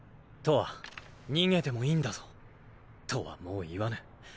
とわ逃げてもいいんだぞとはもう言わぬ。